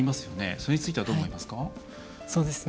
それについてはどう思いますか？